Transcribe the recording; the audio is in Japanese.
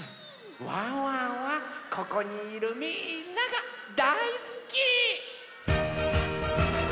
ワンワンはここにいるみんながだいすき！